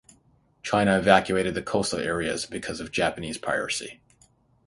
China evacuated the coastal areas, because of Japanese piracy.